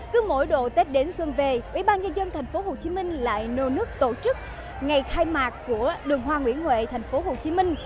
cứ mỗi độ tết đến xuân về ubnd tp hcm lại nô nước tổ chức ngày khai mạc của đường hoa nguyễn huệ tp hcm